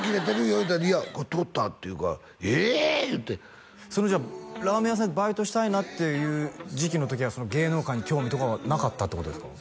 言うたら「いや通った」って言うから「え！？」言うてじゃあラーメン屋さんでバイトしたいなっていう時期の時は芸能界に興味とかはなかったってことですか？